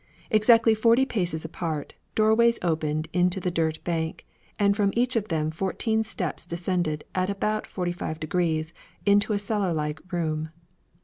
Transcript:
Exactly forty paces apart, doorways opened into the dirt bank, and from each of them fourteen steps descended at about forty five degrees into a cellar like room.